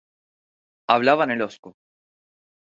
Hablaban el osco.